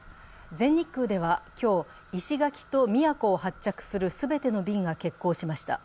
全日空では今日、石垣と宮古を発着する全ての便が欠航しました。